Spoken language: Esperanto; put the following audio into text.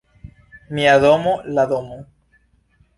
Mia domo, la domo.